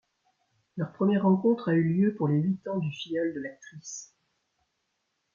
Leur première rencontre a eu lieu pour les huit ans du filleul de l'actrice.